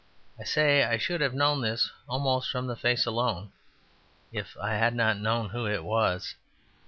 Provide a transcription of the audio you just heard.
I say I should have known this almost from the face alone, even if I had not known who it was.